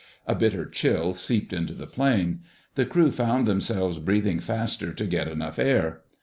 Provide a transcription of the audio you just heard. A bitter chill seeped into the plane. The crew found themselves breathing faster to get enough air.